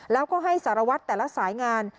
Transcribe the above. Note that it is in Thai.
แล้วก็ให้สารวัตรแต่ละสายงาน